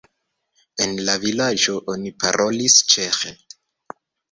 En la vilaĝo oni parolis ĉeĥe.